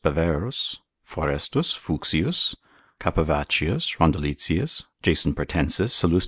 P. Baverus, Forestus, Fuchsius, Capivaccius, Rondoletius, Jason Pratensis, Sullust.